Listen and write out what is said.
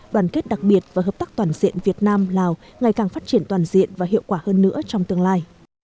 đoàn kết đặc biệt và hợp tác toàn diện việt nam lào ngày càng phát triển toàn diện và hiệu quả hơn nữa trong tương lai